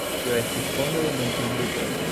Tio estis fondo de Muntinlupo.